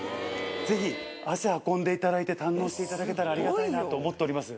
ぜひ足運んでいただいて堪能していただけたらありがたいなと思っております。